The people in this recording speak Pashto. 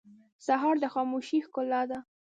سهار د خاموشۍ ښکلا ده.